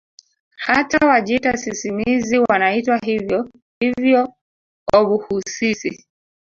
Hata Wajita sisimizi wanaitwa hivyo hivyo obhusisi